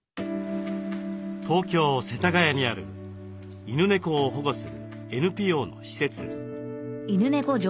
東京・世田谷にある犬猫を保護するＮＰＯの施設です。